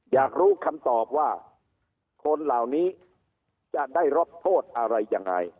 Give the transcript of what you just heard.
อยากรู้คำตอบว่าคนเหล่านี้จะได้รับโทษอะไรยังไง